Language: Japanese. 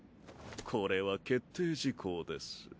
これは決定事項です。